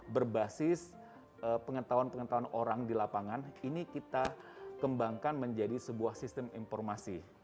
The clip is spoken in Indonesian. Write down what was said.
berbasis pengetahuan pengetahuan orang di lapangan ini kita kembangkan menjadi sebuah sistem informasi